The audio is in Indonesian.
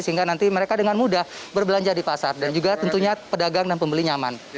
sehingga nanti mereka dengan mudah berbelanja di pasar dan juga tentunya pedagang dan pembeli nyaman